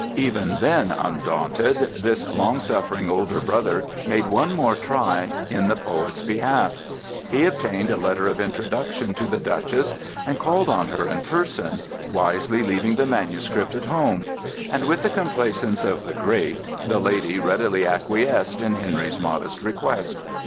Even then undaunted, this long suffering older brother made one more try in the poet's behalf: he obtained a letter of introduction to the duchess, and called on her in person, wisely leaving the manuscript at home; and with the complaisance of the great the lady readily acquiesced in Henry's modest request.